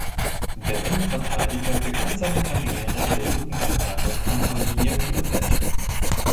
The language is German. Der Innenverteidiger begann seine Karriere in der Jugendabteilung von Arminia Bielefeld.